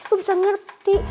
gua bisa ngerti